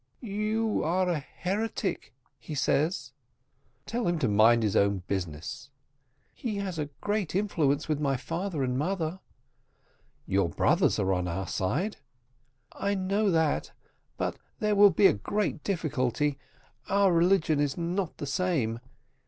"You are a heretic," he says. "Tell him to mind his own business." "He has great influence with my father and mother." "Your brothers are on our side." "I know that, but there will be great difficulty. Our religion is not the same.